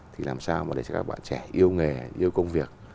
thì làm sao mà để cho các bạn trẻ yêu nghề yêu công việc